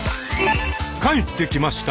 帰ってきました